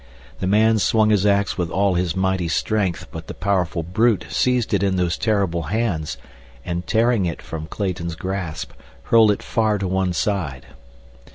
The man swung his ax with all his mighty strength, but the powerful brute seized it in those terrible hands, and tearing it from Clayton's grasp hurled it far to one side.